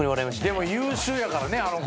でも優秀やからね。